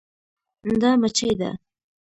دا مچي ده